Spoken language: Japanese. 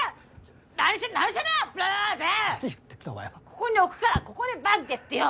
ここに置くからここでバンってやってよ！